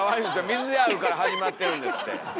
「水である」から始まってるんですって。